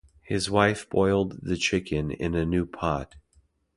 His wife boiled the chicken in a new pot.